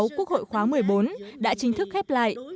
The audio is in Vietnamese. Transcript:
quốc hội khóa một mươi bốn đã chính thức khép lại